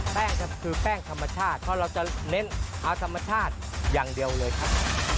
ครับคือแป้งธรรมชาติเพราะเราจะเน้นเอาธรรมชาติอย่างเดียวเลยครับ